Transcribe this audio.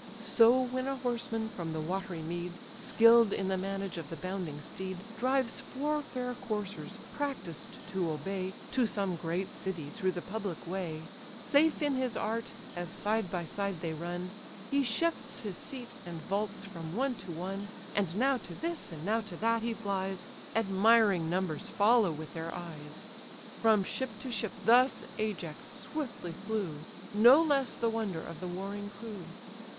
So when a horseman from the watery mead (Skill'd in the manage of the bounding steed) Drives four fair coursers, practised to obey, To some great city through the public way; Safe in his art, as side by side they run, He shifts his seat, and vaults from one to one; And now to this, and now to that he flies; Admiring numbers follow with their eyes. From ship to ship thus Ajax swiftly flew, No less the wonder of the warring crew.